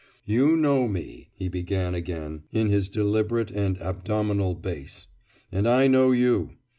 "You know me," he began again in his deliberate and abdominal bass. "And I know you.